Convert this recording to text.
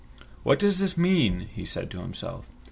"What does this mean?" said he to himself.